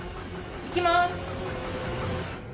いきます！